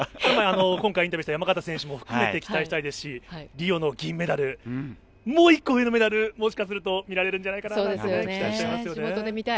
今回、インタビューした山縣選手も含めて期待したいですし、リオの銀メダルよりももう１個上のメダルがもしかして見れるんじゃないかと期待してます。